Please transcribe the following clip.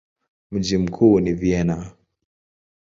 Mji mkuu ni Vienna.